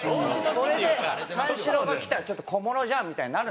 それで三四郎が来たらちょっと小物じゃんみたいになるんですよ。